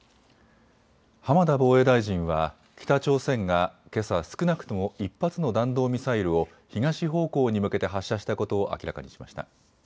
浜田防衛大臣は北朝鮮がけさ少なくとも１発の弾道ミサイルを東方向に向けて発射したことを明らかにしました。